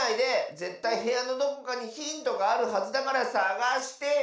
ぜったいへやのどこかにヒントがあるはずだからさがしてよ！